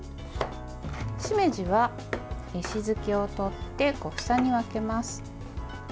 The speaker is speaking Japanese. しめじは石突きを取って小房に分けます。